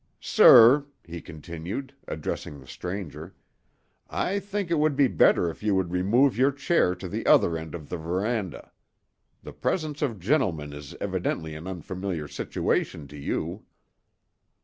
"Sir," he continued, addressing the stranger, "I think it would be better if you would remove your chair to the other end of the veranda. The presence of gentlemen is evidently an unfamiliar situation to you."